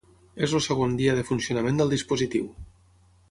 És el segon dia de funcionament del dispositiu.